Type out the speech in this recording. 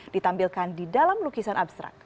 ditampilkan di dalam lukisan abstrak